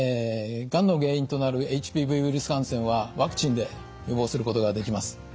がんの原因となるＨＰＶウイルス感染はワクチンで予防することができます。